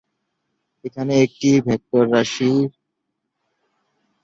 এখানে বেগ একটি ভেক্টর রাশি।